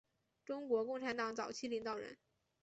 中国共产党早期领导人。